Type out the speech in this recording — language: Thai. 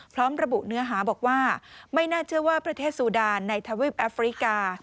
พร้อมระบุเนื้อหาบอกว่าไม่น่าเชื่อว่าประเทศซูดานในทวีปแอฟริกา